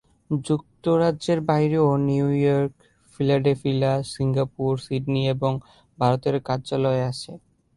যুক্তরাজ্যের বাইরেও New York, Philadelphia, Singapore, Sydney এবং ভারতে এর কার্যালয় আছে।